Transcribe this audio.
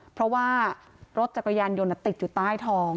เพราะว่ารถจักรยานยนต์ติดอยู่ใต้ท้อง